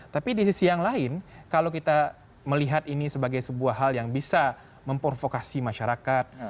tapi di sisi yang lain kalau kita melihat ini sebagai sebuah hal yang bisa memprovokasi masyarakat